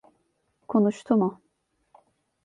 Konuştu mu?